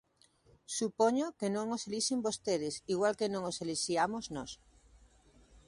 Supoño que non os elixen vostedes, igual que non os elixiamos nós.